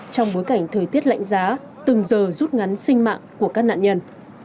trong bối cảnh thời tiết lạnh giá từng giờ rút ngắn sinh mạng của các nạn nhân